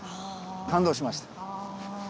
感動しました。